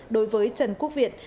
đối với trần quốc việt